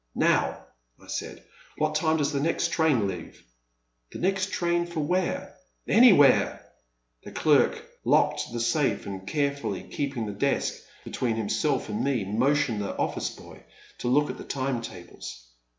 Now, I said, '*what time does the next train leave ?'* The next train for where ?" Anywhere !The clerk locked the safe, and carefully keep ing the desk between himself and me, motioned the office boy to look at the time tables.